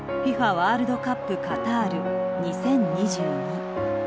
ワールドカップカタール２０２２。